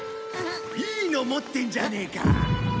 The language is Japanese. いいの持ってんじゃねえか。